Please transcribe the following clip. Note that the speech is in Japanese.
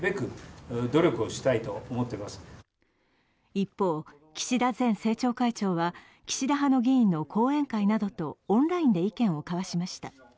一方、岸田前政調会長は岸田派の議員の後援会などとオンラインで意見を交わしました。